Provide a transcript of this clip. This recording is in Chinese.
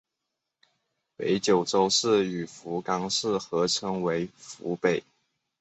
北九州市与福冈市合称为福北。